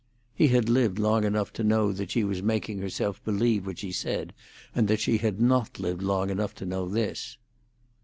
He had lived long enough to know that she was making herself believe what she said, and that she had not lived long enough to know this.